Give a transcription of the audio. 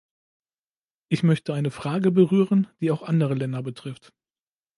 Ich möchte eine Frage berühren, die auch andere Länder betrifft.